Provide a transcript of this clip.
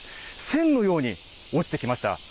線のように落ちてきました。